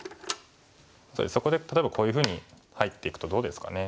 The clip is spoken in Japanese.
そこで例えばこういうふうに入っていくとどうですかね。